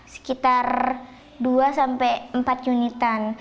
sekitar dua sampai empat unitan